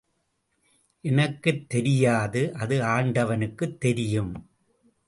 எனக்குத் தெரியாது, அது ஆண்டவனுக்குத் தெரியும்.